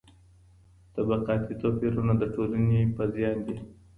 طبقاتي توپیرونه د ټولني پر زیان دي.